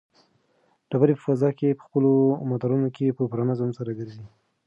ډبرې په فضا کې په خپلو مدارونو کې په پوره نظم سره ګرځي.